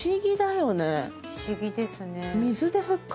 不思議ですね。